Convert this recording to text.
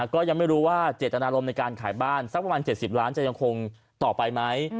ก็ยังไม่รู้ว่าเจตนารมณ์ในการขายบ้านสักประมาณ๗๐ล้านจะยังคงต่อไปไหม